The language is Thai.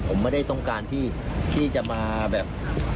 ผมไม่ได้ต้องการที่จะมาแบบ